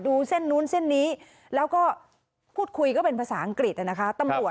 เส้นนู้นเส้นนี้แล้วก็พูดคุยก็เป็นภาษาอังกฤษนะคะตำรวจ